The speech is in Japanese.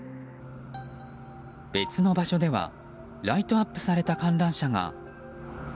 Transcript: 別の場所ではライトアップされた観覧車が。